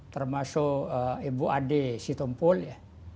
termasuk ibu ade sitompul ya